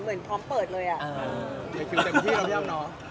ภายพิมพ์เต็มที่แล้วยังเนอะ